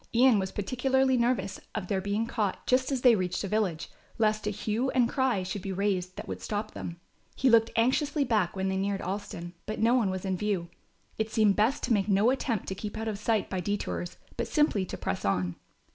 Ian was particularly nervous of their being caught just as they reached a village, lest a hue and cry should be raised that would stop them. He looked anxiously back when they neared Alston, but no one was in view. It seemed best to make no attempt to keep out of sight by detours, but simply to press on.